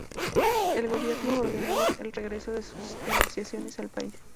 El Gobierno ordenó el regreso de sus negociadores al país.